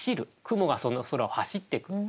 雲がその空を走ってく。